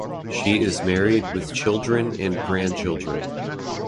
She is married with children and grand children.